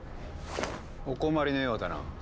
お困りのようだな。